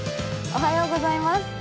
おはようございます。